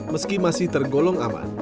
meski masih tergolong aman